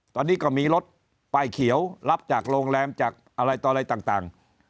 ตอนนี้ก็มีรถป้ายเขียวรับจากโรงแรมจากอะไรต่ออะไรต่าง